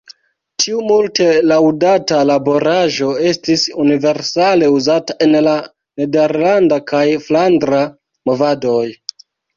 Tiu multe laŭdata laboraĵo estis universale uzata en la nederlanda kaj flandra movadoj.